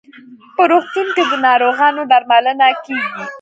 په روغتون کې د ناروغانو درملنه کیږي.